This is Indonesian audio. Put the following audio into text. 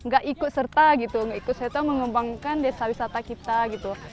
gak ikut serta gitu gak ikut serta mengembangkan desa wisata kita gitu